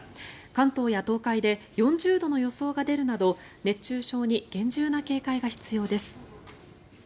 関東や東海で４０度の予想が出るなど熱中症に厳重な警戒が必要です。